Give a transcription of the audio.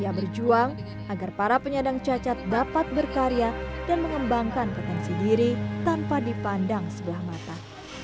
ia berjuang agar para penyandang cacat dapat berkarya dan mengembangkan potensi diri tanpa dipandang sebelah mata